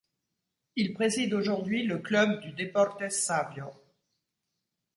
Il préside aujourd'hui le club du Deportes Savio.